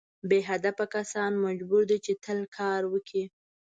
بې هدفه کسان مجبور دي چې تل کار وکړي.